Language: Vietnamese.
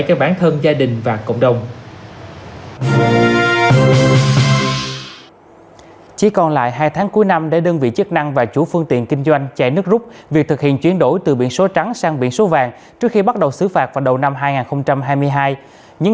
cho bản thân gia đình và cộng đồng